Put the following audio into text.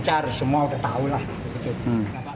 incar semua sudah tahu lah